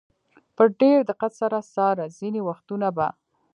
په ډېر دقت سره څاره، ځینې وختونه به.